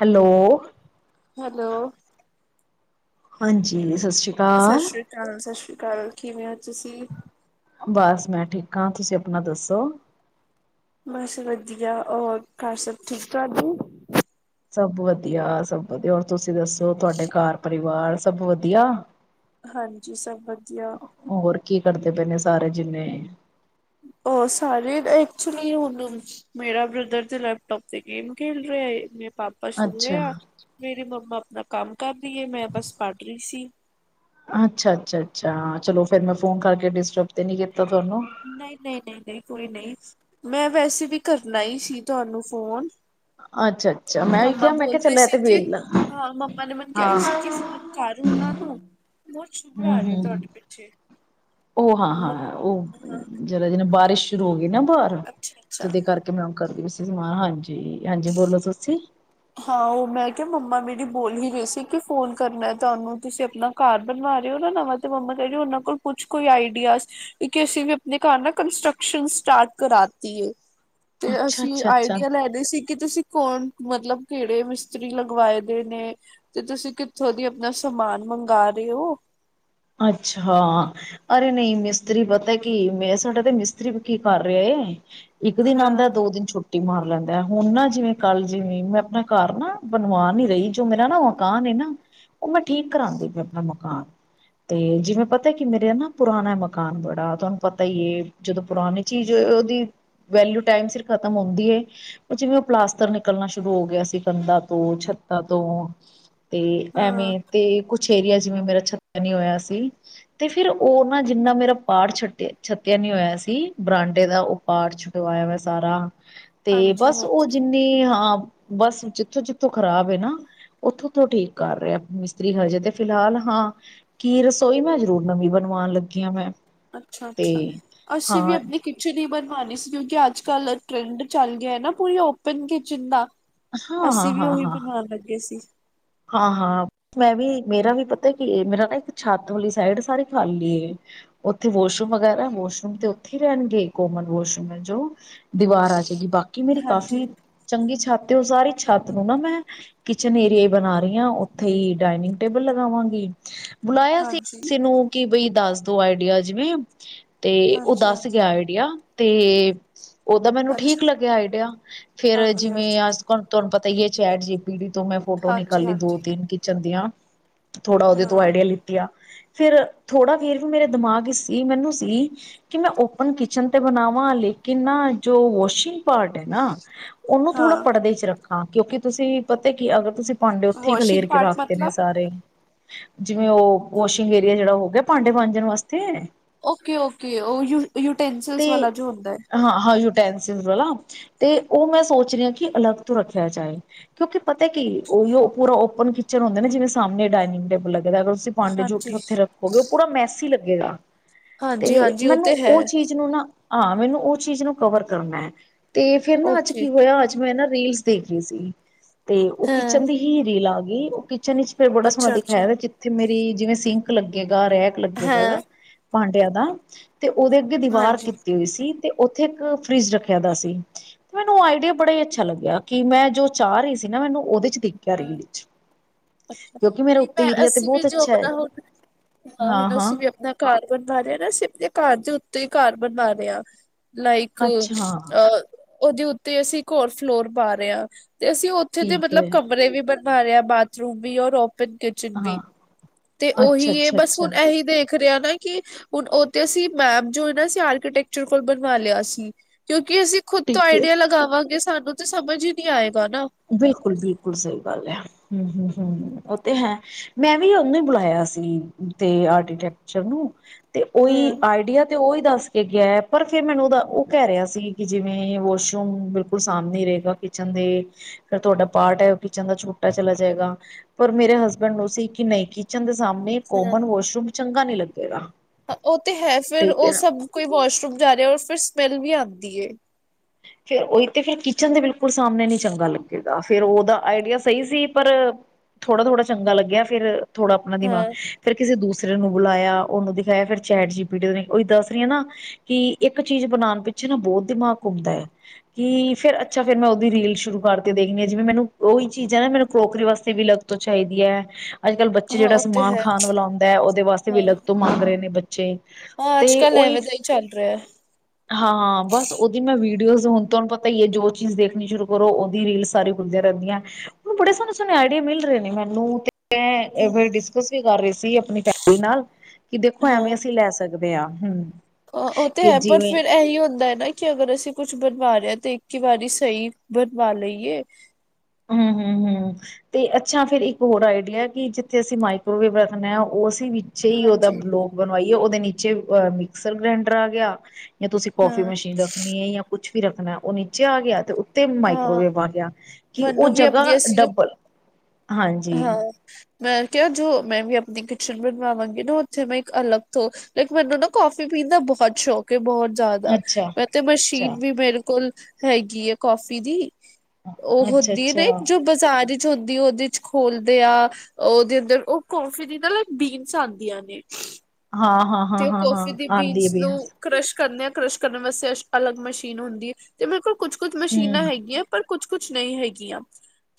Hello. Hello. ਹਾਂਜੀ ਸਤਿ ਸ਼੍ਰੀ ਅਕਾਲ। ਸਤਿ ਸ਼੍ਰੀ ਅਕਾਲ, ਸਤਿ ਸ਼੍ਰੀ ਅਕਾਲ, ਕਿਵੇਂ ਹੋ ਤੁਸੀਂ ਬਸ ਮੈਂ ਠੀਕ ਹਾਂ, ਤੁਸੀਂ ਆਪਣਾ ਦੱਸੋ? ਬਸ ਵਧੀਆ ਹੋਰ ਘਰ ਸਭ ਠੀਕ ਠਾਕ ਉ ਸਭ ਵਧੀਆ ਸਭ ਵਧੀਆ ਹੋਰ ਤੁਸੀਂ ਦੱਸੋ ਤੁਹਾਡੇ ਘਰ ਪਰਿਵਾਰ ਸਭ ਵਧੀਆ। ਹਾਂਜੀ ਸਭ ਵਧੀਆ। ਹੋਰ ਕੀ ਕਰਦੇ ਪਏ ਨੇ ਸਾਰੇ ਜਿੰਨੇ? ਉਹ ਸਾਰੇ ਐਕਚੁਲੀ ਹਣ ਮੇਰਾ ਬ੍ਰਦਰ ਤੇ ਲੈਪਟੋਪ ਤੇ ਗੇ਼ਮ ਖੇ਼ਲ ਰਿਹਾ ਮੇਰਾ ਪਾਪਾ ਸੁਣ ਅੱਛਾ ਰਹੇ ਆ ਮੇਰੀ ਮੰਮਾ ਆਪਣਾ ਕੰਮ ਕਰ ਰਹੀ ਹੈ। ਮੈਂ ਬਸ ਪੜ੍ਹ ਰਹੀ ਸੀ। ਅੱਛਾ -ਅੱਛਾ- ਅੱਛਾ ਹਾਂ ਚਲੋ ਫਿਰ ਮੈਂ ਫੋਨ ਕਰਕੇ ਡਿਸਟਰਬ ਤੇ ਨੀ ਕੀਤਾ ਤੁਹਾਨੂੰ? ਨਹੀਂ- ਨਹੀਂ -ਨਹੀਂ -ਨਹੀਂ ਕੋਈ ਨਹੀਂ ਮੈਂ ਵੈਸੇ ਵੀ ਕਰਨਾ ਹੀ ਸੀ ਤੁਹਾਨੂੰ ਫੋ਼ਨ ਅੱਛਾ ਅੱਛਾ ਮੈਂ ਵੀ ਮੰਮਾ ਕਿਹਾ ਮੈਂ ਬੋਲ ਕਿਹਾ ਰਹੀ ਚੱਲ ਇਹ ਸੀ ਤੇ ਕਿ ਵੇਹਲਾ ਹਾਂ ਮੰਮਾ ਨੇ ਮੈਨੂੰ ਕਿਹਾ ਹਾਂ ਸੀ ਕਿ ਫੋ਼ਨ ਕਰ ਉਹਨਾਂ ਤੋਂ ਬ ਸ਼ੂਭਰ ਹਮ ਆ ਰਿਹੇ ਹੋ ਹਮ ਤੁਹਾਡੇ ਪਿੱਛੇ ਉਹ ਹਾਂ -ਹਾਂ ਉਹ ਹਾਂ ਜਦੋ ਦਿਨ ਬਾਰਿਸ਼ ਸ਼ੁਰੂ ਹੋ ਗਈ ਨਾ ਬਾਹਰ ਅੱਛਾ ਤੇ ਅੱਛਾ ਉਹਦੇ ਕਰਕੇ ਤੇ ਕੀ ਕੰਮ ਕਰਦੀ ਪਈ ਸੀ ਹਾਂਜੀ- ਹਾਂਜੀ ਬੋਲੋ ਤੁਸੀਂ। ਹਾਂ ਉਹ ਮੈਂ ਕਿਹਾ ਮੰਮਾ ਮੇਰੀ ਬੋਲ ਹੀ ਰਈ ਸੀ। ਕਿ ਫੋਨ ਕਰਨਾ ਤੁਹਾਨੂੰ ਤੁਸੀਂ ਆਪਣਾ ਘਰ ਬਣਵਾ ਰਹੇ ਹੋ ਨਾ ਨਵਾਂ ਤੇ ਮੰਮਾ ਕਹਿੰਦੀ ਉਹਨਾਂ ਕੋਲ ਕੁਛ ਕੋਈ ਆਈਡੀਆ ਜ। ਇੱਕ ਅਸੀਂ ਵੀ ਆਪਣੇ ਘਰ ਨਾ ਕੰਸਟਰਕਸ਼ਨ ਸਟਾਰਟ ਕਰਾਤੀ ਏ। ਤੇ ਅਸੀਂ ਆਈਡੀਆ ਲੈ ਲਈ ਸੀ। ਕਿ ਤੁਸੀਂ ਕੌਣ ਮਤਲਬ ਕਿਹੜੇ ਮਿਸਤਰੀ ਲਗਵਾਏ ਦੇ ਨੇ। ਤੇ ਤੁਸੀਂ ਕਿੱਥੋਂ ਦੀ ਆਪਣਾ ਸਮਾਨ ਮੰਗਵਾ ਰਹੇ ਹੋ? ਅੱਛਾ। ਅਰੇ ਨਹੀਂ ਮਿਸਤਰੀ ਪਤਾ ਕੀ ਮੈਂ ਸਾਡਾ ਤੇ ਮਿਸਤਰੀ ਕੀ ਕਰ ਰਿਹਾ। ਇੱਕ ਦਿਨ ਹਾਂ ਆਂਦਾ ਦੋ ਦਿਨ ਛੁੱਟੀ ਟੀ ਮਾਰ ਲੈਂਦਾ ਹੁਣ ਨਾ ਜਿਵੇਂ ਕੱਲ ਜਿਵੇਂ ਮੈਂ ਆਪਣਾ ਘਰ ਨਾ ਬਣਵਾਨ ਨੀ ਰਹੀ। ਜੋ ਮੇਰਾ ਨਾ ਮਕਾਨ ਏ ਨਾ ਉਹ ਮੈਂ ਠੀਕ ਕਰਾਂਦੀ ਪਈ ਆਪਣਾ ਮਕਾਨ। ਤੇ ਜਿਵੇਂ ਪਤਾ ਕਿ ਮੇਰੇ ਨਾ ਪੁਰਾਣਾ ਮਕਾਨ ਬੜਾ ਤੁਹਾਨੂੰ ਪਤਾ ਹੀ ਐ। ਜਦੋਂ ਪੁਰਾਣੇ ਚੀਜ਼ ਉਹਦੀ ਵੈਲਊ ਟਾਈਮ ਸਿਰ ਖ਼ਤਮ ਹੁੰਦੀ ਐ। ਪਰ ਜਿਵੇਂ ਉਹ ਪਲਾਸਤਰ ਨਿਕਲਣਾ ਸ਼ੁਰੂ ਹੋ ਗਿਆ ਸੀ। ਕੰਧਾਂ ਤੋਂ ਛੱਤਾਂ ਤੋਂ ਤੇ ਐਵੇ ਹਾਂ ਤੇ ਕੁਛ ਏਰੀਆ ਜਿਵੇਂ ਮੇਰਾ ਛੱਤਾ ਨੀ ਹੋਇਆ ਸੀ। ਤੇ ਫਿਰ ਉਹ ਨਾ ਜਿੰਨਾ ਮੇਰਾ ਪਾਰਟ ਛੱਟਿਆ ਛੱਤਿਆ ਨੀ ਹੋਇਆ ਸੀ। ਬਰਾਂਡੇ ਦਾ ਉਹ ਪਾਰਟ ਛੱਤਵਾਇਆ ਵਾ ਮੈ ਸਾਰਾ ਤੇ ਹਾਂਜੀ ਬਸ ਉਹ ਹਾਂਜੀ ਜਿੰਨਾ ਤੇ ਹਾਂ ਬਸ ਜਿੱਥੋਂ ਜਿੱਥੋਂ ਖਰਾਬ ਐ ਨਾ ਉਥੋਂ ਉੱਥੋਂ ਤੋਂ ਠੀਕ ਕਰ ਰਿਹਾ ਆ ਮਿਸਤਰੀ ਹਜੇ ਤਾਂ ਫਿਲਹਾਲ ਹਾਂ। ਕੀ ਰਸੋਈ ਮੈਂ ਜ਼ਰੂਰ ਨਵੀਂ ਬਣਵਾਂਣ ਲੱਗੀ ਆ ਮੈਂ। ਅੱਛਾ- ਤੇ ਅੱਛਾ ਹਾਂ ਅਸੀਂ ਵੀ ਆਪਣੀ ਕਿ ਕਿਚਨ ਈ ਬਣਵਾਂਣੀ ਸੀ। ਕਿਉਂਕਿ ਅੱਜ ਕੱਲ੍ਹ ਟਰੈਂਡ ਚੱਲ ਗਿਆ ਨਾ ਪੂਰੀ ਓਪਨ ਕਿਚਨ ਦਾ। ਹਾਂ ਹਾਂ ਅਸੀਂ ਵੀ ਉਹੀ ਬਣਾਂਣ ਲੱਗੇ ਸੀ। ਹਾਂ -ਹਾਂ ਮੈਂ ਵੀ ਮੇਰਾ ਵੀ ਪਤਾ ਕੀ ਏ। ਮੇਰਾ ਨਾ ਇੱਕ ਛੱਤ ਵਾਲੀ ਸਾਈਡ ਸਾਰੀ ਖਾਲੀ ਐ। ਉੱਥੇ ਵਾਸ਼ਰੂਮ ਬਗੈਰਾ ਵਾਸ਼ਰੂਮ ਤੇ ਉੱਥੇ ਹੀ ਰਹਿਣਗੇ। ਕੋਮਨ ਵਾਸ਼ਰੂਮ ਹੈ ਜੋ ਦੀਵਾਰ ਆ ਜੇ ਗੀ ਬਾ ਕਿ ਮੇਰੀ ਹਾਂਜੀ ਕਾਫ਼ੀ ਚੰਗੀ ਛੱਤ ਆ। ਉਹ ਸਾਰੀ ਛੱਤ ਨੂੰ ਨਾ ਮੈਂ ਕਿਚਨ ਏਰੀਏ ਹੀ ਬਣਾ ਰ ਉੱਥੇ ਹੀ ਡਾਇਨਿੰਗ ਟੇਬਲ ਲਗਾਵਾਂਗੀ, ਬੁਲਾਇਆ ਸੀ ਹਾਂਜੀ ਕਿਸੇ ਨੂੰ। ਕਿ ਬਈ ਦੱਸ ਦੋ ਆਈਡੀਆ। ਜਿਵੇ ਤੇ ਉਹ ਹਾਂਜੀ ਦੱਸ ਹਾਂਜੀ ਗਿਆ ਆਈਡੀਆ ਤੇ ਉਹ ਤਾਂ ਮੈਨੂੰ ਅੱਛਾ ਠੀਕ ਲੱਗਿਆ ਆਈਡੀਆ। ਫਿਰ ਹਾਂਜੀ ਜਿਵੇਂ ਹਾਂਜੀ ਅ ਤੁਹਾਨੂੰ ਪਤਾ ਹੀ ਐ ਚੈਟ ਜੀ ਬੀ ਟੀ ਤੋਂ ਮੈਂ ਫੋਟੋ ਹਾਂਜੀ ਨਿਕਾਲੀ ਦੋ- ਹਾਂਜੀ ਤਿੰਨ ਕਿਚਨ ਦੀਆਂ ਥੋੜਾ ਉਹਦੇ ਤੋਂ ਹਾਂ ਆਈਡੀਆ ਲੈਤਿਆ। ਫਿਰ ਥੋੜ੍ਹਾ ਫੇਰ ਵੀ ਮੇਰੇ ਦਿਮਾਗ ਸ ਸੀ। ਮੈਨੂੰ ਸੀ ਕਿ ਮੈਂ ਓਪਨ ਕਿਚਨ ਤੇ ਬਣਾਵਾਂ। ਲੇਕਿਨ ਨਾ ਜੋ ਵਾਸ਼ਿੰਗ ਪਾਰਟ ਹੈ ਨਾ ਉਹਨੂੰ ਥੋੜਾ ਹਾਂ ਪਰਦੇ 'ਚ ਰੱਖਾਂ ਕਿਉਂਕਿ ਤੁਸੀਂ ਪਤਾ ਕੀ ਅਗਰ ਤੁਸੀਂ ਭਾਂਡੇ ਉੱਥੇ ਹੀ ਵਾਸ਼ਿੰਗ ਖਲੇਰ ਕੇ ਪਾਰਟ ਰੱਖਤੇ ਨੇ ਮਤਲਬ ਸਾਰੇ। ਜਿਵੇਂ ਉਹ ਵੋਸ਼ਿੰਗ ਏਰੀਆ ਜਿਹੜਾ ਹੋ ਗਿਆ, ਭਾਂਡੇ ਵਾਂਜਣ ਵਾਸਤੇ ਓਕੇ -ਓਕੇ ਉਹ ਯ ਯੂਟੈਂਸਿਲਸ ਤੇ ਵਾਲਾ ਜੋ ਹੁੰਦਾ ਐ। ਹਾਂ ਹਾਂ ਯੂਟੈਂਸਿਲ ਵਾਲਾ ਤੇ ਉਹ ਮੈਂ ਸੋਚ ਰਹੀ ਹਾਂ ਕਿ ਅਲੱਗ ਤੋਂ ਰੱਖਿਆ ਜਾਏ। ਕਿਉਂਕਿ ਪਤਾ ਕੀ ਉਹੀਓ ਪੂਰਾ ਓਪਨ ਕਿਚਨ ਹੁੰਦਾ ਨਾ। ਜਿਵੇਂ ਸਾਹਮਣੇ ਡਾਇਨਿੰਗ ਟੇਬਲ ਲੱਗਦਾ। ਤੁਸੀਂ ਭਾਂਡੇ ਜੂਠੇ ਹਾਂਜੀ ਉੱਥੇ ਰੱਖੋਗੇ। ਉਹ ਪੂਰਾ ਮੈਸੀ ਲੱਗੇਗਾ ਤੇ ਹਾਂਜੀ ਹਾਂਜੀ ਤੇ ਮੈਨੂੰ ਹੈ ਉਹ ਚੀਜ਼ ਨੂੰ ਨਾ ਹਾਂ ਮੈਨੂੰ ਉਹ ਚੀਜ਼ ਨੂੰ ਕਵਰ ਕਰਨਾ ਐ। ਤੇ ਫਿਰ ਨਾ ਅੱਜ ਓਕੇ ਕੀ ਹੋਇਆ ਅੱਜ ਮੈਂ ਨਾ ਰੀਲਸ ਦੇਖ ਰਹੀ ਸੀ, ਤੇ ਉਹ ਹਾਂ ਕਿਚਨ ਦੀ ਹੀ ਰੀਲ ਆ ਗਈ, ਉਹ ਕਿਚਨ ਵਿੱਚ ਫੇਰ ਬੜਾ ਸੋਹਣਾ ਅੱਛਾ ਅੱਛਾ ਦਿਖਾਇਆ ਜਿੱਥੇ ਮੇਰੀ, ਜਿਵੇਂ ਸਿੰਕ ਲੱਗੇਗਾ, ਰੈਕ ਹਾਂ ਲੱਗੇਗਾ ਭਾਂਡਿਆ ਦਾ, ਤੇ ਉਹਦੇ ਅੱਗੇ ਦੀਵਾਰ ਹਾਂਜੀ ਕੀਤੀ ਹੋਈ ਸੀ। ਤੇ ਉੱਥੇ ਇੱਕ ਫਰਿਜ ਰੱਖਿਆ ਦਾ ਸੀ। ਤੇ ਮੈਨੂੰ ਉਹ ਆਈਡੀਆ ਬੜਾ ਹੀ ਅੱਛਾ ਲੱਗਿਆ, ਕਿ ਮੈਂ ਜੋ ਚਾਹ ਰਹੀ ਸੀ ਨਾ, ਮੈਨੂੰ ਉਹਦੇ 'ਚ ਦੇਖ ਹਾਂ ਕਿਰੀ ਵਿੱਚ ਅੱਛਾ ਕਿਉਂਕਿ ਮੇਰਾ ਨਹੀਂ ਉੱਤੇ ਮੈਂ ਏਰੀਆ ਤੇ ਅਸੀਂ ਵੀ ਬਹੁਤ ਜੋ ਅੱਛਾ ਹੈ ਆਪਣਾ ਹੁਣ ਹਾਂ ਹੁਣ ਅਸੀਂ ਵੀ [unintelligible] ਘਰ ਬਣਵਾ ਰਿਹੇ ਨਾ ਸਿਰਫ ਘਰ ਦੇ ਉੱਤੇ ਹੀ ਘਰ ਬਣਵਾ ਲਿਆ। ਲਾਈਕ ਅੱਛਾ ਹਾਂ ਅ, ਉਹਦੇ ਉੱਤੇ ਅਸੀਂ ਇੱਕ ਹੋਰ ਫਲੋਰ ਪਾ ਰਹੇ ਹਾਂ ਤੇ ਅਸੀਂ ਉੱਥੇ ਤੇ ਠੀਕ ਮਤਲਬ ਹੈ ਕਮਰੇ ਵੀ ਬਣਵਾ ਰਿਹਾ, ਬਾਥਰੂਮ ਵੀ, ਔਰ ਓਪਨ ਕਿ ਚਨ ਹਾਂ ਵੀ, ਤੇ ਅੱਛਾ ਉਹੀ ਇਹ ਅੱਛਾ ਬਸ ਅੱਛਾ ਹੁਣ ਇਹੀ ਦੇਖ ਖਰਿਆਣਾ ਕਿ, ਹੁਣ ਉੱਥੇ ਅਸੀਂ ਮੈਮ ਜੋ ਨਾ ਸੀ ਆਰਕੀਟੈਕਚਰ ਕੋਲ ਬਣਵਾ ਲਿਆ ਸੀ। ਕਿਉਂਕਿ ਅਸੀ ਖੁਦ ਤੋਂ ਠੀਕ ਹੈ ਆਈਡੀਆ ਲਗਾਵਾਂਗੇ ਸਾਨੂੰ ਤੇ ਸਮਝ ਹੀ ਨਹੀਂ ਆਏਗਾ ਨਾ। ਬਿਲਕੁਲ- ਬਿਲਕੁਲ ਸਹੀ ਗੱਲ ਹੈ, ਹਮ- ਹਮ- ਹਮ ਉਹ ਤੇ ਹੈ। ਮੈਂ ਵੀ ਉਹਨੂੰ ਬੁਲਾਇਆ ਸੀ, ਤੇ ਆਰਕੀਟੈਕਚਰ ਨੂੰ, ਤੇ ਉਹੀ ਹਮ ਆਈਡੀਆ ਤੇ ਉਹੀ ਦੱਸ ਕੇ ਗਿਆ, ਪਰ ਫਿਰ ਮੈਨੂੰ ਉਹਦਾ ਉਹ ਕਹਿ ਰਿਹਾ ਸੀ, ਕਿ ਜਿਵੇਂ ਵਾਸ਼ਰੂਮ ਬਿਲਕੁਲ ਸਾਹਮਣੇ ਹੀ ਰਹੇਗਾ ਕਿਚਨ ਦੇ, ਫਿਰ ਤੁਹਾਡਾ ਪਾਰਟ ਹੈ, ਉਹ ਕਿਚਨ ਦਾ ਛੋਟਾ ਚਲਾ ਜਾਏਗਾ। ਪਰ ਮੇਰੇ ਹਸਬੈਂਡ ਨੂੰ ਸੀ ਕਿ ਨਹੀਂ, ਕਿਚਨ ਦੇ ਸਾਹਮਣੇ ਕੋਮਨ ਹਮ ਵਾਸ਼ਰੂਮ ਚੰਗਾ ਨਹੀਂ ਲੱਗੇਗਾ। ਉਹ ਤੇ ਹੈ ਫਿਰ ਠੀਕ ਹੈ ਨਾ ਉਹ ਸਭ ਕੋਈ ਵਾਸ਼ਰੂਮ ਜਾ ਰਿਹਾ, ਫਿਰ ਸਮੈਲ ਵੀ ਆਉਂਦੀ ਏ। ਫਿਰ ਉਹੀ ਤੇ ਫਿਰ ਕਿਚਨ ਦੇ ਬਿਲਕੁਲ ਸਾਹਮਣੇ ਨਹੀਂ ਚੰਗਾ ਲੱਗੇਗਾ, ਫਿਰ ਉਹਦਾ ਆਈਡੀਆ ਸਹੀ ਸੀ ਪਰ ਥੋੜਾ- ਥੋੜਾ ਚੰਗਾ ਲੱਗਿਆ, ਫਿਰ ਥੋੜ੍ਹਾ ਆਪਣਾ ਦਿਮਾਗ ਹਾਂ ਫਿਰ ਕਿਸੇ ਦੂਸਰੇ ਫਿਰ ਉਹ ਨੂੰ ਬੁਲਾਇਆ, ਉਹਨੂੰ ਦਿਖਾਇਆ, ਫਿਰ ਚੈਟ ਜੀ ਪੀ ਟੀ ਨੇ, ਉਹੀ ਦੱਸ ਰਹੀਆਂ ਨਾ ਕਿ ਇੱਕ ਚੀਜ਼ ਬਣਾਉਣ ਪਿੱਛੇ ਨਾ, ਬਹੁਤ ਦਿਮਾਗ ਘੁੰਮਦਾ ਏ। ਕਿ ਫੇਰ ਅੱਛਾ ਫੇਰ ਮੈਂ ਉਹਦੀ ਰੀਲ ਸ਼ੁਰੂ ਕਰਕੇ ਦੇਖਣੀ ਹਾਂ, ਜਿਵੇਂ ਮੈਨੂੰ ਉਹੀ ਚੀਜ਼ ਹੈ ਨਾ ਮੈਨੂੰ ਕਰੋਕਰੀ ਵਾਸਤੇ ਵੀ ਲੱ ਤੋਂ ਚਾਹੀਦੀ ਆ ਅੱਜ ਕੱਲ੍ਹ ਬੱਚੇ ਹਾਂ ਜਿਹੜਾ ਉਹ ਤੇ ਸਮਾਨ ਹੈ ਖਾਣ ਵਾਲਾ ਆਉਂਦਾ ਹੈ, ਉਹਦੇ ਵਾਸਤੇ ਵੀ ਹਾਂ ਲਗ ਤੋਂ ਮੰਗ ਰਹੇ ਨੇ ਬੱਚੇ ਹਾਂ ਅੱਜ ਤੇ ਕੱਲ੍ਹ ਉਹੀ, ਐਵੇਂ ਦਾ ਹੀ ਚੱਲ ਰਿਹਾ ਹੈ ਹਾਂ ਬਸ। ਉਹਦੀ ਮੈਂ ਵੀਡੀਓਜ਼ ਹੁਣ ਤੁਹਾਨੂੰ ਪਤਾ ਹੀ ਹੈ ਜੋ ਚੀਜ਼ ਦੇਖਣੀ ਸ਼ੁਰੂ ਕਰੋ ਉਹਦੀਆਂ ਰੀਲ ਸਾਰੀ ਖੁੱਲਦੀਆਂ ਰਹਿੰਦੀਆਂ। ਬੜੇ ਸੋਹਣੇ- ਸੋਹਣੇ ਆਈਡੀਆ ਮਿਲ ਰਹੇ ਨੇ ਮੈਨੂੰ, ਤੇ ਐ ਫਿਰ ਡਿਸਕਸ ਵੀ ਕਰ ਰਹੀ ਸੀ ਆਪਣੀ ਫੈਮਲੀ ਨਾਲ, ਕਿ ਦੇਖੋ ਹਾਂ ਐਵੇਂ ਅਸੀਂ ਲੈ ਸਕਦੇ ਸਕਦੇ ਆ, ਹਮ। ਉਹ ਤੇ ਕਿ ਹੈ ਪਰ ਜਿਵੇਂ ਫਿਰ ਇਹੀ ਹੁੰਦਾ ਹੈ। ਕਿ ਅਗਰ ਅਸੀਂ ਕੁਛ ਬਣਵਾ ਰਹੇ ਹਾ, ਤੇ ਇੱਕ ਹੀ ਵਾਰੀ ਸਹੀ ਬਣਵਾ ਲਈਏ। ਹਮ -ਹਮ- ਹਮ। ਤੇ ਅੱਛਾ, ਫੇਰ ਇੱਕ ਹੋਰ ਆਈਡੀਆ ਕਿ ਜਿੱਥੇ ਅਸੀਂ ਮਾਈਕਰੋਵੇਵ ਰੱਖਦੇ ਆ, ਉਹ ਅਸੀਂ ਵੀ ਪਿੱਛੇ ਹੀ ਉਹਦਾ ਹਾਂਜੀ ਬਲੋਗ ਬਣਵਾਈਏ, ਉਹਦੇ ਨੀਚੇ ਅਹ ਮਿਕਸਰ ਗ੍ਰੈਂਡਰ ਆ ਗਿਆ। ਜਾਂ ਤੁਸੀਂ ਕਾਫੀ ਹਾਂ ਮਸ਼ੀਨ ਰੱਖਣੀ ਹੈ, ਜਾਂ ਕੁਛ ਵੀ ਰੱਖਣਾ, ਉਹ ਨੀਚੇ ਆ ਗਿਆ ਤੇ ਉ ਤੇ ਹਾਂ ਮਾਈਕ੍ਰੋਵੇਵ ਆ ਗਿਆ, ਕਿ ਉਹ ਮੈਨੂੰ ਵੀ ਆਪਣੀ ਜਗ੍ਹਾ ਅਸੀਂ ਜੋ ਡਬਲ ਹਾਂਜੀ ਹਾਂ ਮੈਂ ਕਿਹਾ, ਜੋ ਮੈਂ ਵੀ ਆਪਣੀ ਕਿਚਨ ਬਣਵਾਵਾਂਗੀ ਨਾ, ਉੱਥੇ ਮੈਂ ਇੱਕ ਅਲੱਗ ਤੋਂ ਇੱਕ ਮੈਨੂੰ ਨਾ ਕਾਫੀ ਪੀਣ ਦਾ ਬਹੁਤ ਸ਼ੌਕ ਕੇ ਬਹੁਤ ਜ਼ਿਆਦਾ, ਅੱਛਾ ਮੈਂ ਤੇ ਅੱਛਾ ਮਸ਼ੀਨ ਵੀ ਮੇਰੇ ਕੋਲ ਹੈਗੀ ਹੈ ਕਾਫੀ ਦੀ। ਉਹ ਅੱਛਾ ਹੁੰਦੀ ਹੈ, ਅੱਛਾ ਨਹੀਂ ਜੋ ਬਾਜ਼ਾਰ ਵਿੱਚ ਹੁੰਦੀ ਉਹਦੇ ਖੋਲਦੇ ਆ, ਉਹਦੇ ਅੰਦਰ ਉਹ ਘੁੰਮ ਫਿਰ ਨਾਲ ਬੀਨਸ ਆਉਂਦੀਆਂ ਨੇ। ਹਾਂ- ਹਾਂ- ਹਾਂ- ਤੇ ਹਾਂ- ਹਾਂ ਕੌਫੀ ਦੀ ਆਉਂਦੀ ਹੈ ਨੂੰ ਬੀਨਸ। ਕਰਸ਼ ਕਰਨੇ ਆ, ਕਰਸ਼ ਕਰਨ ਵਾਸਤੇ, ਅ ਅਲੱਗ ਮਸ਼ੀਨ ਹੁੰਦੀ ਹੈ, ਤੇ ਮੇਰੇ ਕੋਲ ਕੁਛ ਕੁਝ ਮਸ਼ੀਨਾਂ ਹੂੰ ਹੈਗੀਆਂ। ਪਰ ਕੁਛ- ਕੁਛ ਨਹੀਂ ਹੈਗੀਆਂ,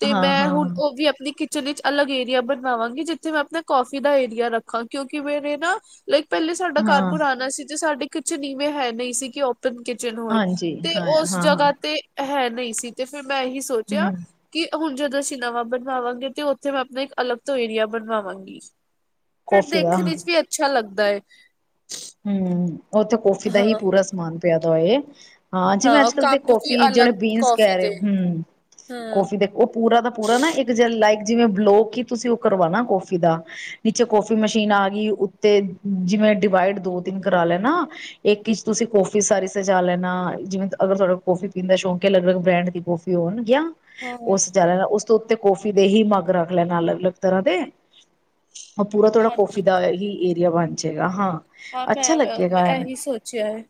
ਤੇ ਹਾਂ ਮੈਂ ਹਾਂ ਹੁਣ ਉਹ ਵੀ ਆਪਣੀ ਕਿ ਕਿਚਨ ਚ ਅਲਗ ਏਰੀਆ ਬਣਾਵਾਂਗੀ, ਜਿੱਥੇ ਮੈਂ ਆਪਣਾ ਕਫੀ ਦਾ ਏਰੀਆ ਰੱਖਾਂ, ਕਿਉਂਕਿ ਮੇਰੇ ਨਾ ਲਾਈਕ ਪਹਿਲੇ ਸਾਡਾ ਘਰ ਹਾਂ ਪੁਰਾਣਾ ਸੀ, ਤੇ ਸਾਡੀ ਕਿਚਨ ਇਵੇਂ ਹੈ ਨਹੀਂ ਸੀ ਕਿ ਕਿਚਨ ਹੋਏ, ਹਾਂਜੀ ਤੇ ਹਾਂ ਉਸ ਹਾਂ ਹਾਂ ਜਗ੍ਹਾ ਤੇ ਹੈ ਨਹੀਂ ਸੀ, ਤੇ ਫਿਰ ਮੈਂ ਇਹੀ ਸੋਚਿਆ ਹੂੰ ਕਿ ਹੁਣ ਜਦੋਂ ਅਸੀਂ ਨਵਾਂ ਬਣਵਾਵਾਂਗੇ, ਤੇ ਉੱਥੇ ਮੈਂ ਆਪਣਾ ਇੱਕ ਅਲੱਗ ਤੋਂ ਏਰੀਆ ਬਣਵਾਵਾਂਗੀ। ਫਿਰ ਕੌਫੀ ਦਾ ਹਾਂ ਦੇਖਣ 'ਚ ਵੀ ਅੱਛਾ ਲੱਗਦਾ ਹੈ। ਹਮ, ਉਥੇ ਕੌਫੀ ਦਾ ਹੀ ਹਾਂ ਪੂਰਾ ਸਮਾਨ ਪਿਆਦਾ ਹੋਏ। ਹਾਂ, ਜਿਵੇਂ ਅੱਜ ਕਲ ਤੇ ਕੱਪ ਵੀ ਕੋਫੀ ਜਿਹੜੇ ਅਲੱਗ ਬੀਨਸ ਕੌਫੀ ਕਹਿ ਰਹੇ ਹੋ, ਦੇ ਹਮ। ਹਾਂ ਕਾਫੀ ਦੇਖ, ਉਹ ਪੂਰਾ ਦਾ ਪੂਰਾ ਨਾ ਇੱਕ ਜ ਲਾਈਕ, ਜਿਵੇਂ ਬਲੋ ਤੁਸੀਂ ਉਹ ਕਰਵਾਣਾ ਕਾਫ਼ੀ ਦਾ। ਨੀਚੇ ਕੋਫੀ ਮਸ਼ੀਨ ਆ ਗਈ ਉੱਤੇ, ਜਿਵੇਂ ਡਿਵਾਈਡ ਦੋ- ਤਿੰਨ ਕਰਾ ਲੈਨਾ। ਇੱਕ 'ਚ ਤੁਸੀਂ ਕੌਫੀ ਸਾਰੀ ਸਜਾ ਲੈਣਾ, ਜਿਵੇਂ ਅਗਰ ਤੁਹਾਡਾ ਕੋੌਫੀ ਪੀਣ ਦਾ ਸ਼ੌਕ ਹੈ, ਅਲੱਗ- ਅਲੱਗ ਬ੍ਰੈਂਡ ਦੀ ਕੋਫੀ। ਪਿਓਣ ਗਿਆ। ਉਹ ਹਾਂ ਸਜਾ ਦੇਣਾ, ਉਸ ਤੋਂ ਉੱਤੇ ਕੌਫੀ ਦੇ ਹੀ ਮੱਗ ਰੱਖ ਲੈਣਾ ਅਲੱਗ- ਅਲੱਗ ਤਰ੍ਹਾਂ ਦੇ। ਉਹ ਪੂਰਾ ਥੋੜਾ ਹਾਂਜੀ ਕੋਫੀ ਦਾ ਹੀ ਏਰੀਆ ਬਣ ਜਾਏਗਾ ਹਾਂ। ਹਾਂ ਅੱਛਾ ਮੈਂ, ਮੈਂ ਲੱਗੇਗਾ ਐਵੇਂ। ਇਹੀ ਸੋਚਿਆ ਹੈ।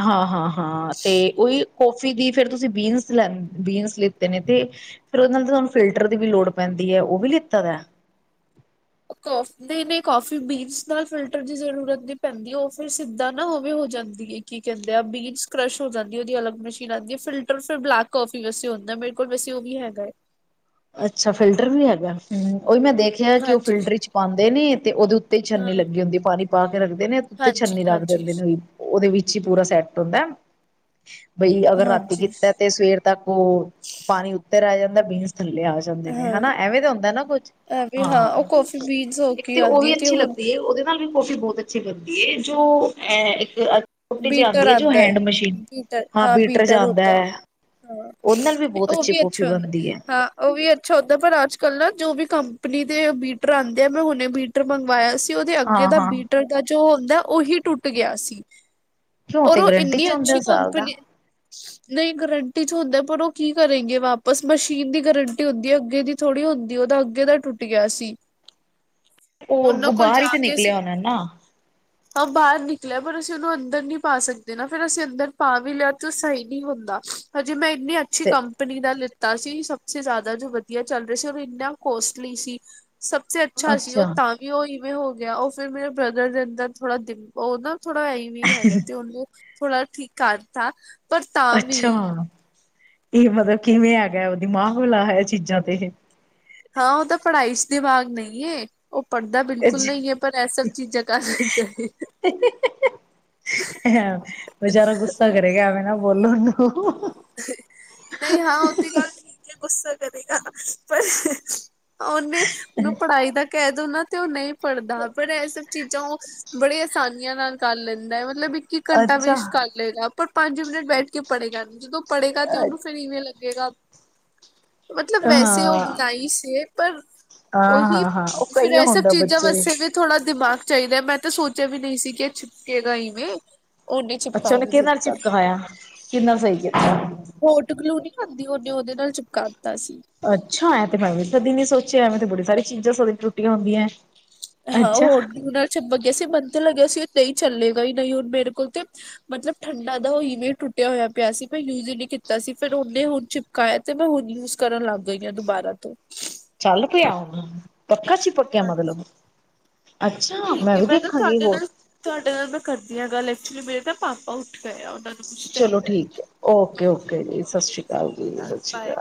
ਹਾਂ- ਹਾਂ- ਹਾਂ ਤੇ ਉਹੀ ਕੋਫੀ ਦੀ ਫਿਰ ਤੁਸੀਂ ਬੀਨਸ ਲੈ ਬੀਨਸ ਲਿੱਤੇ ਨੇ ਤੇ ਫੇਰ ਉਹਦੇ ਨਾਲ ਤੁਹਾਨੂੰ ਫਿਲਟਰ ਦੀ ਵੀ ਲੋੜ ਪੈਂਦੀ ਹੈ, ਉਹ ਵੀ ਲਿੱਤਾ ਦਾ ਅਫਕੋਰਸ। ਨਈ -ਨਈ ਕਾਫੀ ਬੀਨਸ ਨਾਲ ਫਿਲਟਰ ਦੀ ਜ਼ਰੂਰਤ ਨਹੀਂ ਪੈਂਦੀ, ਉਹ ਫੇਰ ਸਿੱਧਾ ਨਾ ਉਹਵੇ ਹੋ ਜਾਂਦੀ ਹੈ। ਕੀ ਕਹਿੰਦੇ ਆ ਬੀਨਸ ਕਰਸ਼ ਹੋ ਜਾਂਦੀ, ਉਹਦੀ ਅਲਗ ਮਸ਼ੀਨ ਆਉਂਦੀ, ਫਿਲਟਰ ਫਿਰ ਬਲੈਕ ਕਾਫੀ ਵਸ ਹੁੰਦਾ ਮੈਂ ਮੇਰੇ ਕੋਲ ਵਸ ਉਹ ਵੀ ਹੈਗਾ ਏ। ਅੱਛਾ ਫਿਲਟਰ ਵੀ ਹੈਗਾ, ਹਮ, ਓਹਦੇ ਨਾਲ ਦੇਖ ਕਿ ਉਹ ਹਾਂਜੀ ਫਿਲਟਰ ' ਚ ਪਾਉਂਦੇ ਨੇ, ਤੇ ਉਹਦੇ ਉੱਤੇ ਹੀ ਹਾਂ ਛਲਨੀ ਲੱਗੀ ਹੁੰਦੀ ਹੈ, ਪਾਣੀ ਪਾ ਕੇ ਰੱਖਦੇ ਨੇ ਉੱਤੇ ਹਾਂਜੀ ਛਲਨੀ ਰੱਖ ਹਾਂਜੀ ਦਿੰਦੇ ਨੇ ਉਹੀ। ਉਹਦੇ ਵਿੱਚ ਹੀ ਪੂਰਾ ਸੈਟ ਹੁੰਦਾ, ਬਈ ਅਗਰ ਰਾਤੀ ਹਾਂਜੀ ਕੀਤਾ ਤੇ ਸਵੇਰ ਤੱਕ ਓ, ਪਾਣੀ ਉੱਤੇ ਰਹਿ ਜਾਂਦਾ ਬੀਨਸ ਥੱਲੇ ਆ ਜਾਂਦੇ ਨੇ ਹਾਂ ਹਨਾ, ਐਵੇਂ ਤਾਂ ਹੁੰਦਾ ਨਾ ਕੁਛ, ਐਵੇਂ ਉਹ ਹਾਂ, ਕੌਫੀ ਬੀਨਸ ਹੋ ਇੱਕ ਕੇ ਤੇ ਉਹ ਆਉਂਦੀ ਹੈ, ਵੀ ਅੱਛੀ ਹੁਣ ਲੱਗਦੀ ਹੈ ਉਹਦੇ ਨਾਲ ਵੀ ਕਾਫੀ ਬਹੁਤ ਅੱਛੀ ਬਣਦੀ ਹੈ, ਜੋ ਅ ਇੱਕ ਛੋਟੀ ਜਿਹੀ ਬੀਟਰ ਆਉਂਦੀ ਜੋ ਆਉਂਦਾ ਹੈ, ਹੈਂਡ ਮਸ਼ੀਨ ਬੀਟਰ, ਹਾਂ ਚ ਬੀਟਰ ਆਂਦਾ ਹੁੰਦਾ। ਹੈ ਹਾਂ, ਉਹਦੇ ਨਾਲ ਵੀ ਤੇ ਬਹੁਤ ਉਹ ਅੱਛੀ ਵੀ ਕੌਫੀ ਅੱਛੇ ਹੁੰਦੇ ਬਣਦੀ ਹੈ ਹਾਂ, ਹਾਂ। ਉਹ ਵੀ ਅੱਛਾ ਹੁੰਦਾ, ਪਰ ਅੱਜ ਕੱਲ੍ਹ ਨਾ ਜੋ ਵੀ ਕੰਪਨੀ ਦੇ ਬੀਟਰ ਆਉਂਦੇ ਆ, ਮੈਂ ਹੁਣੇੇ ਬੀਟਰ ਮੰਗਵਾਇਆ ਸੀ। ਤੇ ਉਹਦੇ ਅੱਗੇ ਹਾਂ ਦਾ ਹਾਂ ਬੀਟਰ ਦਾ ਜੋ ਹੁੰਦਾ, ਉਹੀ ਟੁੱਟ ਗਿਆ ਸੀ। ਕਿਉਂ ਉਹ ਔਰ ਤੇ ਗਰੰਟੀ 'ਚ ਇੰਨੀ ਹੁੰਦੇ ਅੱਛੀ ਸਾਲ ਦਾ। ਕੰਪਨੀ ਨਹੀਂ ਗਰੰਟੀ 'ਚ ਹੁੰਦਾ, ਪਰ ਉਹ ਕੀ ਕਰੇਗੇ ਵਾਪਸ ਮਸ਼ੀਨ ਦੀ ਗਰੰਟੀ ਹੁੰਦੀ ਹੈ, ਅੱਗੇ ਦੀ ਥੋੜ੍ਹੀ ਹੁੰਦੀ, ਉਹਦਾ ਅੱਗੇ ਦਾ ਟੁੱਟ ਗਿਆ ਸੀ। ਉਹ ਉਹਨਾਂ ਅੱਗੋਂ ਕੋਲ ਬਾਹਰ ਹੀ ਜਾ ਤੇ ਕੇ ਅਸੀਂ ਨਿਕਲਿਆ ਹੋਨਾ ਨਾ। ਹਾਂ ਬਾਹਰ ਨਿਕਲਿਆ। ਪਰ ਅਸੀਂ ਉਹਨੂੰ ਅੰਦਰ ਨੀ ਪਾ ਸਕਦੇ ਨਾ, ਫੇਰ ਅਸੀਂ ਅੰਦਰ ਪਾ ਵੀ ਲਿਆ, ਤੇ ਉਹ ਸਹੀ ਨਹੀਂ ਹੁੰਦਾ, ਹਜੇ ਮੈਂ ਇੰਨੀ ਕਿਸੇ ਤੇ ਕੰਪਨੀ ਦਾ ਲਿੱਤਾ ਸੀ ਸਭਸੇ ਜ਼ਿਆਦਾ ਜੋ ਵਧੀਆ ਚੱਲ ਰਿਹਾ ਸੀ ਉਹ ਇੰਨਾ ਕੋਸਟਲੀ ਸੀ। ਸਭ ਸੇ ਅੱਛਾ ਸੀ ਉਹ ਤਾਂ ਵੀ ਉਹ ਇਵੇਂ ਹੋ ਗਿਆ ਉਹ ਫੇਰ ਮੇਰੇ ਬ੍ਰਦਰ ਦੇ ਅੰਦਰ ਥੋੜਾ ਦਿ ਉਹ ਨਾ ਥੋੜਾ ਇਵੇਂ ਹੀ ਹੈਗਾ ਤੇ ਉਹਨੇ ਥੋੜਾ ਠੀਕ ਕਾਰਤਾ। ਅੱਛਾ, ਇਹ ਮਤਲਬ ਕਿਵੇਂ ਹੈਗਾ ਉਹ ਦਿਮਾਗ ਹਲਾਇਆ ਹੋਇਆ ਚੀਜ਼ਾਂ ਤੇ ਇਹ। ਹਾਂ ਉਹ ਤਾਂ ਪੜ੍ਹਾਈ 'ਚ ਦਿਮਾਗ ਨਹੀਂ ਏ। ਉਹ ਪੜ੍ਹਦਾ ਬਿਲਕੁਲ ਅੱਛਾ ਨਹੀਂ ਹੀ ਹੈ ਪਰ ਇਹ ਸਭ ਚੀਜ਼ ਤਾ [unintelligible] [unintelligible] ਅਹਅ ਬੇਚਾਰਾ ਗੁੱਸਾ ਕਰੇਗਾ ਆ ਐਵੇਂ ਨਾ ਬੋਲੋ ਉਹਨੂੰ। ਨਹੀਂ ਹਾਂ ਉਹ ਤੇ ਗੱਲ ਠੀਕ ਐ ਗੁੱਸ ਕਰੇਗਾ। ਪਰ ਉਹਨੇ ਉਹਨੂੰ ਪੜ੍ਹਾਈ ਦਾ ਕਹਿਦੋ ਨਾ ਤੇ ਉਹ ਨਹੀਂ ਪੜ੍ਹਦਾ। ਪਰ ਐ ਚੀਜ਼ਾਂ ਉਹ ਬੜੇ ਆਸਾਨੀਆਂ ਨਾਲ ਕਰ ਲੈਂਦਾ ਐ। ਮਤਲਬ ਇੱਕ- ਇੱਕ ਘੰਟਾ ਅੱਛਾ ਬੇਸ਼ਟ ਕਰ ਚਲੇਗਾ ਪਰ ਪੰਜ ਮਿੰਟ ਬੈਠ ਕੇ ਪੜ੍ਹੇਗਾ ਨੀ। ਜਦੋਂ ਪੜੇਗਾ ਤੇ ਉਹਨੂੰ ਫੇਰ ਇਵੇਂ ਲੱਗੇਗਾ ਮਤਲਬ ਹਾਂ ਵੈਸੇ ਉਹ ਨਾਇਸ ਏ। ਪਰ ਹਾਂ ਉਹੀ ਹਾਂ ਹਾਂ ਉਹ ਫਿਰ ਕਈਆ ਇਹ ਸਭ ਹੁੰਦਾ ਚੀਜ਼ਾਂ ਬੱਚੇ ਬੱਸੇ ਫਿਰ ਥੋੜ੍ਹਾ ਦਿਮਾਗ ਚਾਹੀਦਾ। ਮੈਂ ਤਾਂ ਵੀ ਨਹੀਂ ਸੀ ਕਿ ਇਹ ਚਿਪਕੇਗਾ ਇਵੇਂ। ਉਹਨੇ ਅੱਛਾ ਚਿਪਕਾ ਉਹਨੇ ਵੀ ਕਿਹਦੇ ਨਾਲ ਦਿੱਤਾ ਚਿਪਕਾਇਆ। ਕਿਦੇ ਨਾਲ ਸਹੀ ਕੀਤਾ। ਹੋ ਟਕਲੂ ਨਹੀਂ ਕਰਦੀ ਉਹਨੇ ਉਹਦੇ ਨਾਲ ਚਿਪਕਾ ਤਾ ਸੀ। ਅੱਛਾ ਐਂ ਤੇ ਤਾਂਦੀ ਨੀ ਸੋਚਿਆ ਐਵੇਂ ਤੇ ਬੜੀ ਸਾਰੀ ਚੀਜ਼ਾਂ ਸਦੀ ਟੁੱਟੀਆਂ ਹੁੰਦੀਆਂ ਆ। ਹਾਂ ਹੋਰ ਗੂਲ ਨਾਲ ਚਪਕਿ ਗਿਆ ਸੀ। ਮੈਨੂੰ ਤੇ ਲੱਗਿਆ ਸੀ ਉਹ ਨਹੀਂ ਚੱਲੇਗਾ ਹੀ ਨਹੀਂ ਹੁਣ ਮੇਰੇ ਕੋਲ ਤੇ ਮਤਲਬ ਠੰਡਾ ਦਾ ਉਹ ਈਮੇਜ ਟੁੱਟਿਆ ਹੋਇਆ ਪਿਆ ਸੀ। ਮੈਂ ਯੂਜ ਹੀ ਨਹੀਂ ਕੀਤਾ ਸੀ। ਫਿਰ ਉਹਨੇ ਹੁਣ ਚ ਕਾਇ ਤੇ ਮੈਂ ਹੁਣ ਯੂਜ ਕਰਨ ਲੱਗ ਗਈ ਆ ਦੁਬਾਰਾ ਤੋਂ। ਚੱਲ ਪਿਆ ਹੁਣ ਪੱਕਾ ਚਪਕਿ ਗਿਆ ਮਤਲਬ। ਅੱਛਾ ਮੈਂ ਵੀ ਦੇਖਾਂਗੀ ਹੋਰ ਤੁਹਾਡੇ ਨਾਲ ਮੈਂ ਕਰਦੀ ਹਾਂ ਗੱਲ। ਐਕਚੁਲੀ ਮੇਰੇ ਨਾ ਪਾਪਾ ਚਲੋ ਠੀਕ ਐ। ਓਕੇ ਓਕੇ ਜੀ ਸਸਰੀਕਾਲ ਜੀ ਸਸਰੀਕਾਲ।